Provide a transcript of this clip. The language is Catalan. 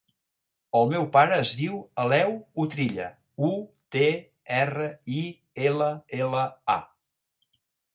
El meu pare es diu Aleu Utrilla: u, te, erra, i, ela, ela, a.